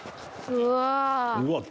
「うわ」